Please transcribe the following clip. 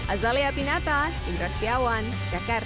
azalea pinata indra setiawan jakarta